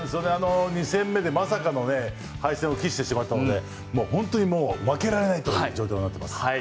２戦目でまさかの敗戦を喫してしまったのでもう本当にもう負けられないという状況になってます。